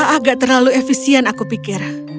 agak terlalu efisien aku pikir